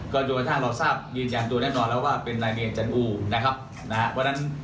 ก็โจรสรรค์เราทราบยินอย่างตัวแน่นอนแล้วว่าเป็นรายเมียจันทร์อู้นะครับ